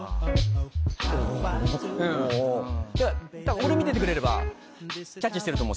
俺見ててくれれば。